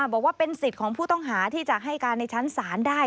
บอกว่าเป็นสิทธิ์ของผู้ต้องหาที่จะให้การในชั้นศาลได้